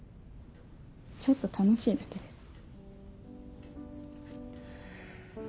ちょっと楽しいだけです。